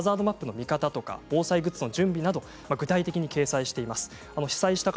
ハザードマップの見方や防災グッズの準備なども具体的にご紹介しています。